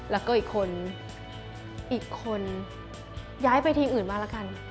แล้วก็อีกคนย้ายไปทีมอื่นมาแล้วกัน